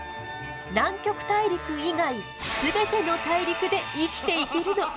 南極大陸以外すべての大陸で生きていけるの。